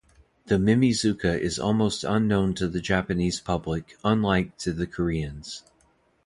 The Mimizuka is almost unknown to the Japanese public unlike to the Koreans.